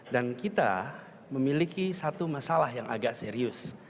dan kita memiliki satu masalah yang agak serius